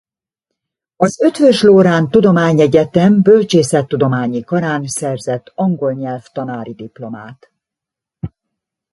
Az Eötvös Loránd Tudományegyetem Bölcsészettudományi Karán szerzett angolnyelv-tanári diplomát.